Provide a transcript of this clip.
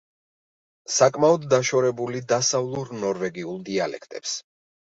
საკმაოდ დაშორებული დასავლურ ნორვეგიულ დიალექტებს.